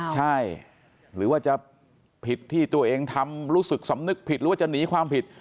ใช่หรือว่าจะผิดที่ตัวเองทำรู้สึกสำนึกผิดหรือว่าจะหนีความผิด